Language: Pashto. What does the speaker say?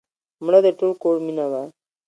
مړه د ټول کور مینه وه